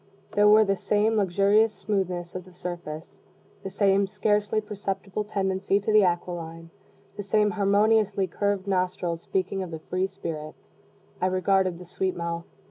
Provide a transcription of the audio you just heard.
There were the same luxurious smoothness of surface, the same scarcely perceptible tendency to the aquiline, the same harmoniously curved nostrils speaking the free spirit. I regarded the sweet mouth.